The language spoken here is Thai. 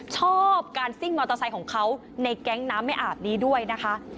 ชอบการซิ่งมอเตอร์ไซค์ของเขาในแก๊งน้ำไม่อาบนี้ด้วยนะคะ